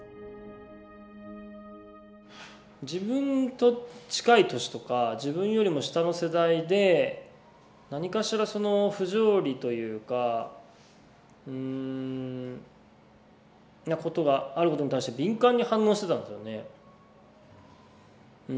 自分と近い年とか自分よりも下の世代で何かしらその不条理というかうんなことがあることに対して敏感に反応してたんですよね。